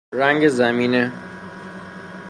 رنگ زمینه